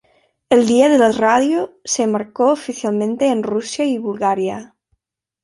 El Día de la radio se marcó oficialmente en Rusia y Bulgaria.